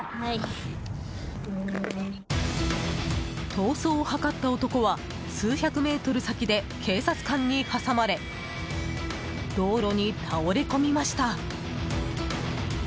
逃走を図った男は数百メートル先で警察官に挟まれ道路に倒れ込みました。